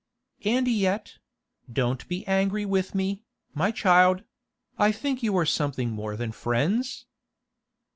'And yet—don't be angry with me, my child—I think you are something more than friends?